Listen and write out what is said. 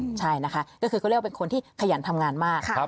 ใช่นะคะก็คือเขาเรียกว่าเป็นคนที่ขยันทำงานมาก